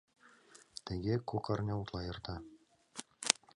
Тыге кок арня утла эрта.